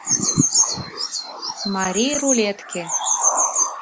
МАРИЙ РУЛЕТКЕ